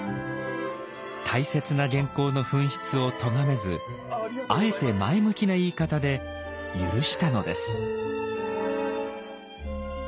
大切な原稿の紛失をとがめずあえて前向きな言い方で許したのです。